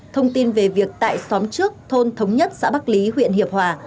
thông tin về việc tại xóm trước thôn thống nhất xã bắc lý huyện hiệp hòa